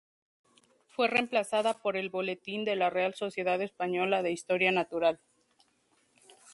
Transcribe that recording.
Fue reemplazada por el "Boletín de la Real Sociedad Española de Historia Natural.